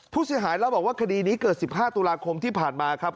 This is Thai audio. ผู้เสียหายเล่าบอกว่าคดีนี้เกิด๑๕ตุลาคมที่ผ่านมาครับ